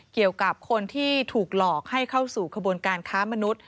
เกี่ยวกับคนที่ถูกหลอกให้เข้าสู่ขบวนการค้ามนุษย